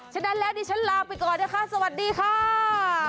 ฉะนั้นแล้วดิฉันลาไปก่อนนะคะสวัสดีค่ะ